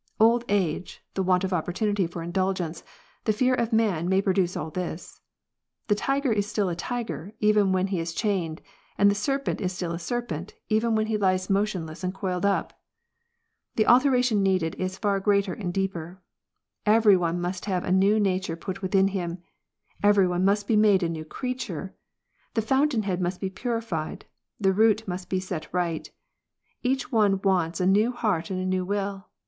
Old age, the want of opportunity for indulgence, the fear of man, may produce all this. The tiger is still a tiger, even when he is chained, and the serpent is still a serpent, even when he lies motionless and coiled up. The alteration needed is far greater and deeper. Every one must have a new nature put within him ; every one must be made a new creature ; the fountain head must be purified ; the root must be set right ; each one wants a new heart and a new will.